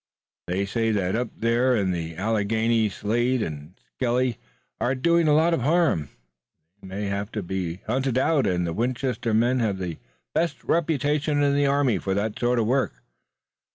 They say that up there in the Alleghanies Slade and Skelly are doing a lot of harm. They may have to be hunted out and the Winchester men have the best reputation in the army for that sort of work.